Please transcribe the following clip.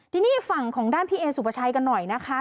ทีนี้ฝั่งของด้านพี่เอสุปชัยกันหน่อยนะคะ